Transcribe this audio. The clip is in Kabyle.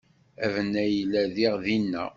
Abennay yella diɣ dinna.